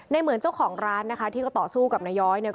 เหมือนเจ้าของร้านนะคะที่ก็ต่อสู้กับนาย้อยเนี่ย